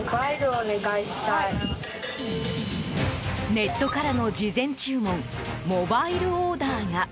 ネットからの事前注文モバイルオーダーが。